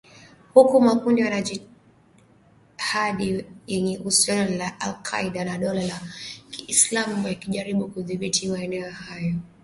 Huku makundi ya wanajihadi yenye uhusiano na al Qaeda na Dola la ki islamu yakijaribu kudhibiti maeneo ambayo yaliwahi kuwa na amani huko